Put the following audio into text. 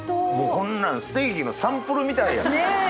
こんなんステーキのサンプルみたいやん。